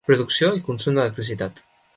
Producció i consum d'electricitat.